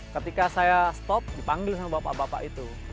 ketika saya stop dipanggil sama bapak bapak itu